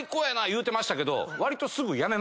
言うてましたけどわりと。